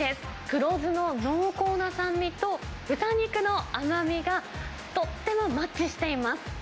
黒酢の濃厚な酸味と、豚肉の甘みがとってもマッチしています。